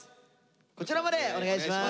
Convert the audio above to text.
こちらまでお願いします！